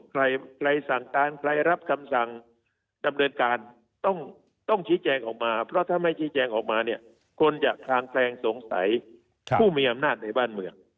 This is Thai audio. ใครสั่งการใครรับคำสั่งดำเนินการต้องชี้แจงออกมาเพราะถ้าไม่ชี้แจงออกมาเนี่ยคนจะคลางแคลงสงสัยผู้มีอำนาจในบ้านเมือง